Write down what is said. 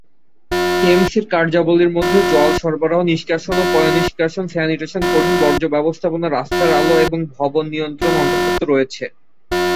কেএমসি-র কার্যাবলীর মধ্যে জল সরবরাহ, নিষ্কাশন ও পয়ঃনিষ্কাশন, স্যানিটেশন, কঠিন বর্জ্য ব্যবস্থাপনা, রাস্তার আলো, এবং ভবন নিয়ন্ত্রণ অন্তর্ভুক্ত রয়েছে।